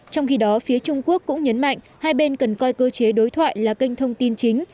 trong khi đó phía trung quốc cũng nhấn mạnh hai bên cần coi cơ chế đối thoại là kênh thông tin chính